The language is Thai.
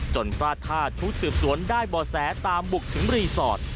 พลาดท่าชุดสืบสวนได้บ่อแสตามบุกถึงรีสอร์ท